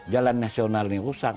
jalan nasional ini rusak